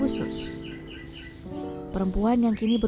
ada ketiga waginem